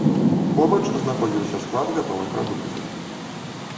Побач знаходзіўся склад гатовай прадукцыі.